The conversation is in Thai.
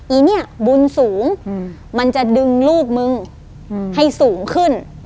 อีเนี่ยบุญสูงมันจะดึงลูกมึงให้สูงขึ้น